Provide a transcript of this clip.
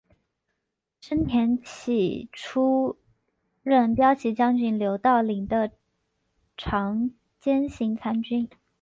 申恬起初任骠骑将军刘道邻的长兼行参军。